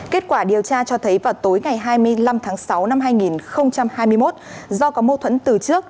kết quả điều tra cho thấy vào tối ngày hai mươi năm tháng sáu năm hai nghìn hai mươi một do có mâu thuẫn từ trước